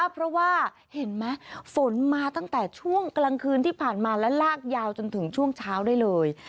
เพราะว่าเห็นไหมฝนมาตั้งแต่ช่วงกลางคืนที่ผ่านมาและลากยาวจนถึงช่วงเช้าได้เลย